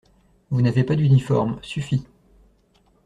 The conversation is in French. Vous n'avez pas d'uniforme: suffit!